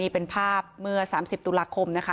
เป็นภาพเมื่อ๓๐ตุลาคมนะคะ